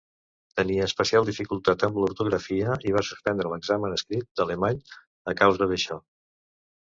Tenia especial dificultat amb l'ortografia i va suspendre l'examen escrit d'alemany a causa d'això.